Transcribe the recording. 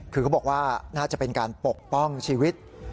คือเขาบอกว่าน่าจะเป็นการปกป้องชีวิต